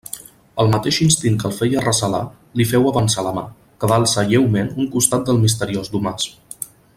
El mateix instint que el feia recelar li féu avançar la mà, que va alçar lleument un costat del misteriós domàs.